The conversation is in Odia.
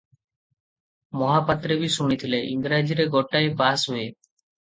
ମହାପାତ୍ରେ ବି ଶୁଣିଥିଲେ, ଇଂରାଜୀରେ ଗୋଟାଏ ପାସ ହୁଏ ।